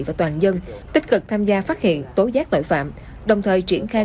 và toàn dân tích cực tham gia phát hiện tố giác tội phạm đồng thời triển khai